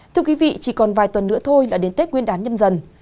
thưa quý vị chỉ còn vài tuần nữa thôi là đến tết nguyên đán nhâm dần